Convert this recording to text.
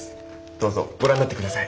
どうぞご覧になって下さい。